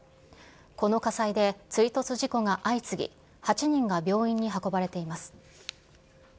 この火災で追突事故が相次ぎ、８人が病院に運ばれています。